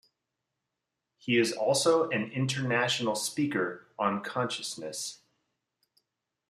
He is also an international speaker on consciousness.